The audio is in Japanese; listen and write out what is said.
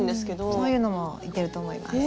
そういうのもいけると思います。